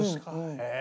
へえ。